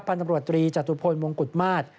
พตรีจตุพลมงกุฎมาตร